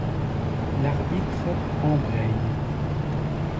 L'arbitre embraie...